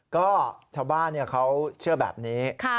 ก็ชาวบ้านเขาเชื่อแบบนี้